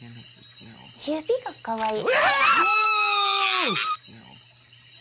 指がかわいい。